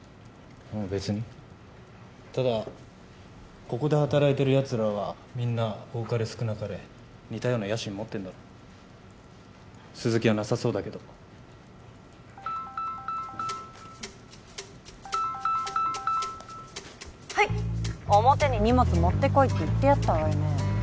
別にただここで働いてるやつらはみんな多かれ少なかれ似たような野心持ってんだろ鈴木はなさそうだけどはい表に荷物持ってこいって言ってあったわよね